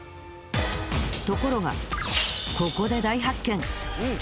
ところがここで大発見！